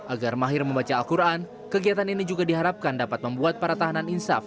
agar mahir membaca al quran kegiatan ini juga diharapkan dapat membuat para tahanan insaf